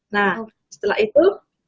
nah setelah itu